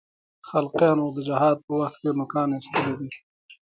خلقیانو د جهاد په وخت کې نوکان اېستلي دي.